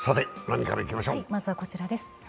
まずはこちらです。